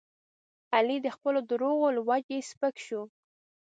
علي د خپلو دروغو له وجې سپک شو.